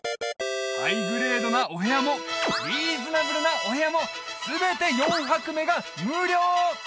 ハイグレードなお部屋もリーズナブルなお部屋も全て４泊目が無料！